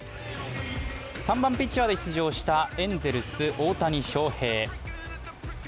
３番・ピッチャーで出場したエンゼルス・大谷翔平。